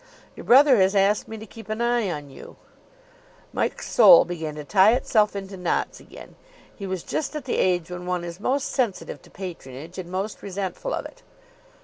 "Your brother has asked me to keep an eye on you." Mike's soul began to tie itself into knots again. He was just at the age when one is most sensitive to patronage and most resentful of it.